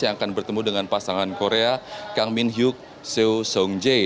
yang akan bertemu dengan pasangan korea kang min hyuk seo songjee